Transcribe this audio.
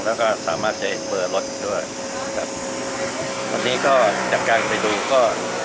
แล้วก็สามารถจะเห็นเบอร์รถด้วยครับวันนี้ก็จากการไปดูก็